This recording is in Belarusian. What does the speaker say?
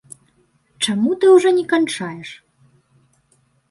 Чаму ты ўжо не канчаеш?